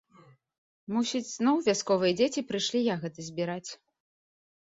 Мусіць, зноў вясковыя дзеці прыйшлі ягады збіраць.